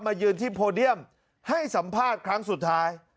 ยืนที่โพเดียมให้สัมภาษณ์ครั้งสุดท้าย